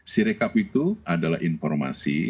sirekap itu adalah informasi